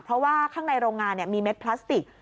เพราะว่าข้างในโรงงานมีเม็ดพลาสติก